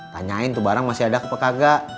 tanyain tuh barang masih ada apa kagak